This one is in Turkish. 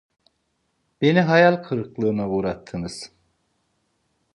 Beni hayal kırıklığına uğrattınız.